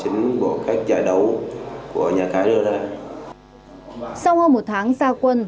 trời gió gió giải đấu corps de jean